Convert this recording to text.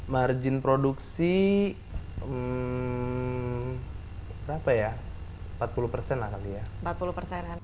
margin produksi empat puluh persen lah